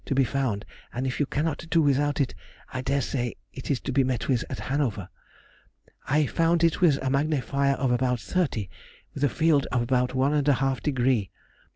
to be found, and if you cannot do without it, I dare say it is to be met with at Hanover.... I found it with a magnifier of about 30, with a field of about 1½ degree.